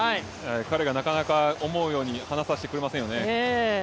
彼がなかなか思うように離させてくれませんよね。